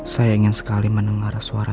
saya ingin sekali mendengar suara